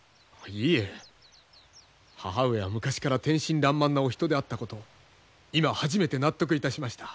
いいえ母上は昔から天真爛漫なお人であったこと今初めて納得いたしました。